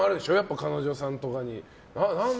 彼女さんとかに何で？